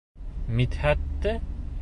Мидхәтте?!